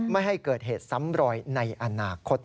ไม่ให้เกิดเหตุซ้ำรอยในอนาคต